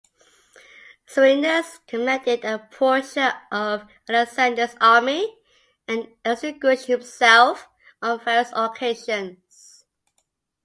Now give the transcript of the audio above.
Coenus commanded a portion of Alexander's army, and distinguished himself on various occasions.